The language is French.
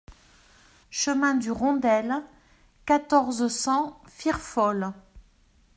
Chemin du Rondel, quatorze, cent Firfol